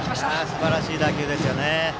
すばらしい打球でしたね。